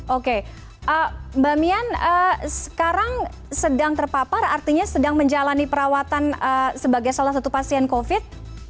oke mbak mian sekarang sedang terpapar artinya sedang menjalani perawatan sebagai salah satu pasien covid